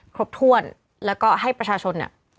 ครบถ้วนแล้วก็ให้ประชาชนเนี่ย